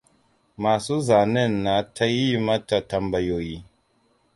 Masu zanen na ta yi mata tambayoyi.